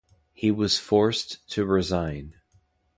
He was forced to resign.